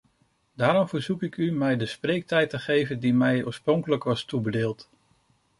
Daarom verzoek ik u mij de spreektijd te geven die mij oorspronkelijk was toebedeeld.